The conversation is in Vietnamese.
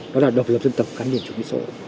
đó là độc lập dân tộc con liên minh chủ nghĩa xã hội